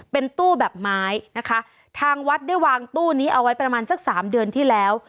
เป็นตู้แบบไม้นะคะทางวัดได้วางตู้นี้เอาไว้ประมาณสักสามเดือนที่แล้ว